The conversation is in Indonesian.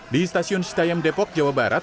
di stasiun setayam depok jawa barat